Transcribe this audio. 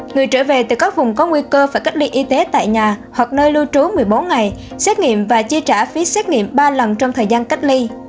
người trở về từ các vùng có nguy cơ phải cách ly y tế tại nhà hoặc nơi lưu trú một mươi bốn ngày xét nghiệm và chi trả phí xét nghiệm ba lần trong thời gian cách ly